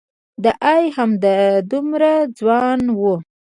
دای همدومره ځوان و.